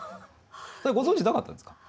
ご存じなかったんですか？